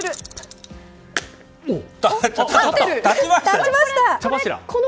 立ちましたよ！